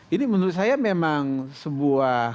ini menurut saya memang sebuah